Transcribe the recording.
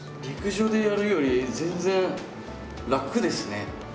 陸上でやるより全然楽ですね。